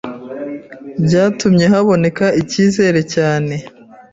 byatumye haboneka icyizere cyane